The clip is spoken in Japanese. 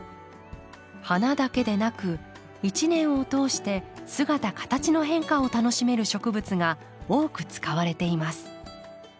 花だけでなく一年を通して姿形の変化を楽しめる植物が多く使われています。